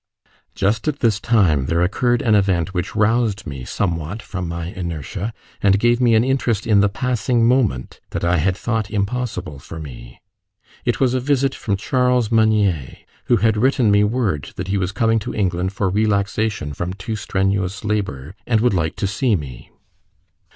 Just at this time there occurred an event which roused me somewhat from my inertia, and gave me an interest in the passing moment that I had thought impossible for me. It was a visit from Charles Meunier, who had written me word that he was coming to England for relaxation from too strenuous labour, and would like to see me.